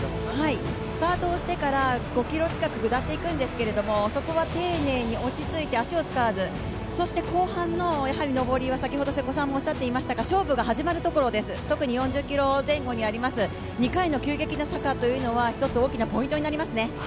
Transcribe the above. スタートをしてから５ｋｍ近く下っていくんですけれどもそこは丁寧に落ち着いて足を使わず、そして後半の上りは、先ほど瀬古さんもおっしゃっていましたが、勝負が始まるところです、特に４０ｋｍ前後にあります、２回の急激な坂というのは一つ大きなポイントになりますね。